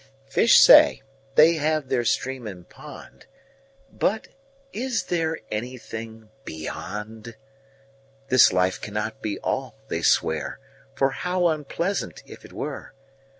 5Fish say, they have their Stream and Pond;6But is there anything Beyond?7This life cannot be All, they swear,8For how unpleasant, if it were!